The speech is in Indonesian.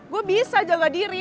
gue bisa jaga diri